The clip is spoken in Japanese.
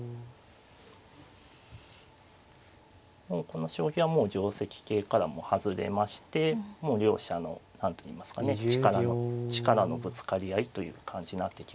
この将棋はもう定跡形から外れましてもう両者の何といいますかね力のぶつかり合いという感じになってきましたね。